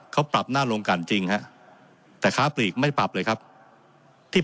เขาปรับหน้าลงกันจริงฮะแต่ค้าปลีกไม่ปรับเลยครับที่